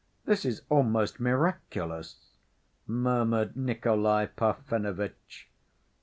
"This is almost miraculous," murmured Nikolay Parfenovitch.